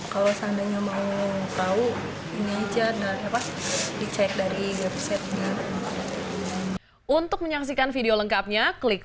kalau seandainya mau tahu ini aja dan dicek dari websitenya